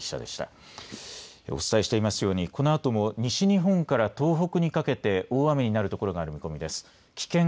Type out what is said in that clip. お伝えしていますようにこのあとも西日本から東北にかけて大雨になるところがあります。